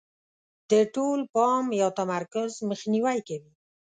د ټول پام یا تمرکز مخنیوی کوي.